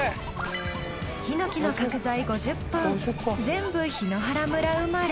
ヒノキの角材５０本全部檜原村生まれ。